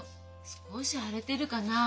少し腫れてるかなあ。